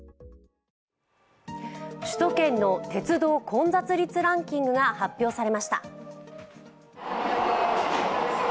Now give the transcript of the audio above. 首都圏の鉄道混雑率ランキングが発表されました。